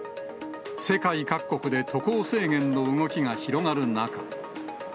世界各国で渡航制限の動きが広がる中。